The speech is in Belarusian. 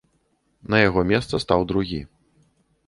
На яго месца стаў другі.